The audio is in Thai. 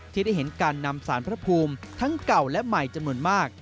ที่ได้เห็นการนำสารพระภูมิทั้งเก่าและใหม่จำนวนมาก